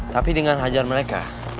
tapi dengan hajar mereka